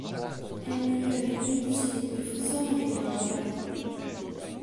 È il miglior indice di perfusione degli organi.